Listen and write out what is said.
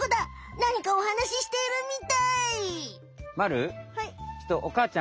なにかおはなししているみたい。